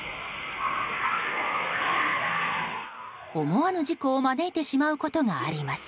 思わぬ事故を招いてしまうことがあります。